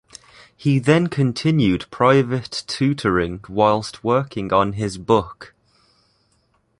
He then continued private tutoring whilst working on his book.